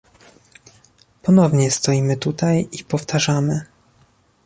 Ponownie stoimy tutaj i powtarzamy